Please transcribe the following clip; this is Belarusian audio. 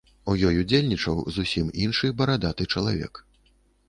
У ёй удзельнічаў зусім іншы барадаты чалавек.